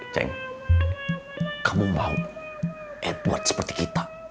ceng kamu mau edward seperti kita